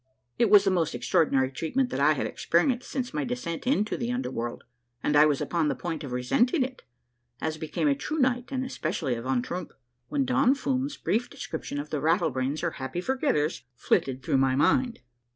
It was the most extraordinary treatment that I had experienced since my descent into the under world, and I was upon the point of resenting it, as became a true knight and especially a von Troomp, when Don Fum's brief description of the Rattlebrains, or Happy Forgetters, flitted through my mind.